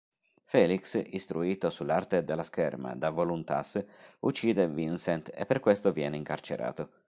Felix, istruito sull’arte della scherma da Voluntas, uccide Vincent, e per questo viene incarcerato.